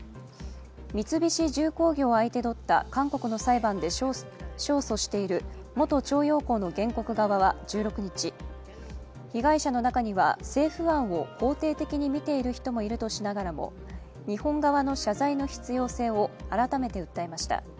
三菱重工業を相手取った韓国の裁判で勝訴している元徴用工の原告側は１６日被害者の中には政府案を肯定的に見ている人もいるとしながらも、日本側の謝罪の必要性を改めて訴えました。